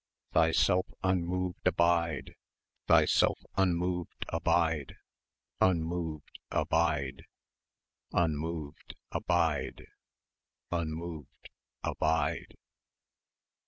Thyself unmoved abide ... Thyself unmoved abide ... Unmoved abide.... Unmoved abide.... Unmoved Abide